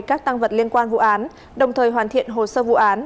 các tăng vật liên quan vụ án đồng thời hoàn thiện hồ sơ vụ án